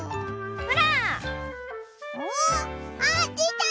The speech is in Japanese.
ほら！